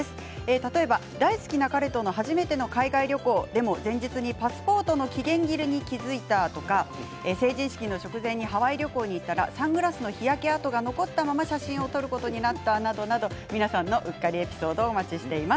例えば、大好きな彼との初めての海外旅行、でも前日にパスポートの期限切れに気付いたとか成人式の直前にハワイ旅行に行ったらサングラスの日焼け痕が残ったまま写真を撮ることになったなど皆さんのうっかりエピソードをお待ちしています。